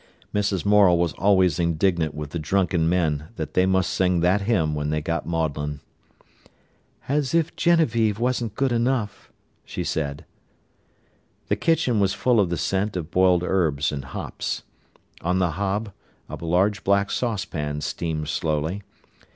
Mrs. Morel was always indignant with the drunken men that they must sing that hymn when they got maudlin. "As if 'Genevieve' weren't good enough," she said. The kitchen was full of the scent of boiled herbs and hops. On the hob a large black saucepan steamed slowly.